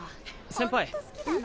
先輩。